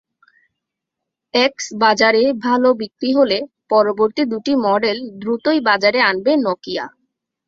X বাজারে ভালো বিক্রি হলে পরবর্তী দুটি মডেল দ্রুতই বাজারে আনবে নকিয়া।